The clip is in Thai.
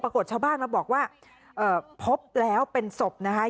ปรากฏชาวบ้านมาบอกว่าเอ่อพบแล้วเป็นศพนะคะ